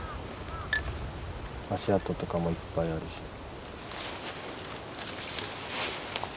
足跡とかもいっぱいあるし。